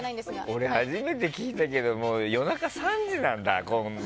俺、初めて聞いたけど夜中３時なんだ。